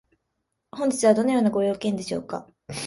本日はどのようなご用件でしょうか？